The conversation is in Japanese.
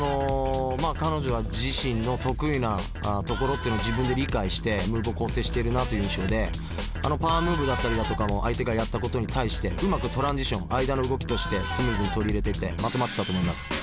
彼女は自身の得意なところっていうのを自分で理解してムーブを構成しているなという印象でパワームーブだったりだとかも相手がやったことに対してうまくトランジション間の動きとしてスムーズに取り入れていてまとまってたと思います。